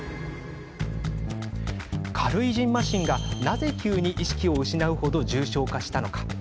軽いじんましんが、なぜ急に意識を失う程、重症化したのか。